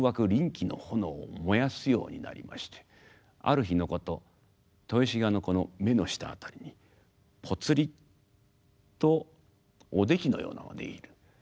悋気の炎を燃やすようになりましてある日のこと豊志賀の目の下辺りにポツリとおできのようなものが出来る。